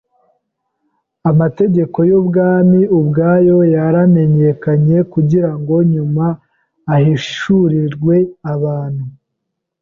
Amategeko y’ubwami ubwayo yaramenyekanye; kugira ngo nyuma ahishurirwe abantu